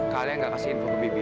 kalian gak kasih info ke bibi